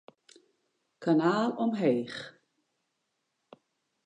Kanaal omheech.